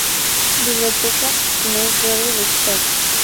Biblioteca Newberry de Chicago.